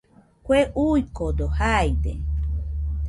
Kue uikode jaide